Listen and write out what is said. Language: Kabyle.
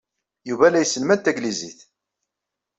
Yuba la yesselmad tanglizit.